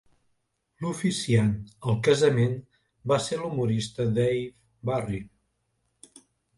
L'oficiant al casament va ser l'humorista Dave Barry.